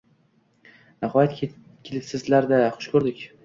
Nihoyat, kelibsizlar-da… Xush ko`rdik